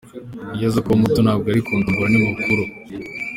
Iyo aza kuba muto ntabwo yari kundongora, ni mukuru.